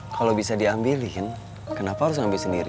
kalau bisa diambilin kenapa harus ambil sendiri